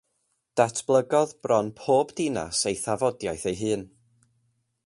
Datblygodd bron pob dinas ei thafodiaith ei hun.